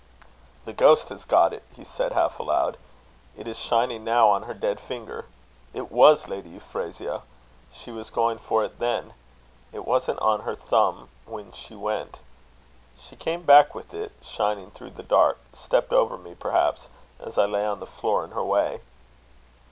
"The ghost has got it," he said, half aloud. "It is shining now on her dead finger. It was Lady Euphrasia. She was going for it then. It wasn't on her thumb when she went. She came back with it, shining through the dark stepped over me, perhaps, as I lay on the floor in her way."